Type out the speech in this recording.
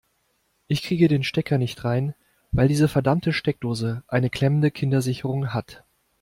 Ich kriege den Stecker nicht rein, weil diese verdammte Steckdose eine klemmende Kindersicherung hat.